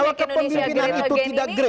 kalau kepemimpinan itu tidak grade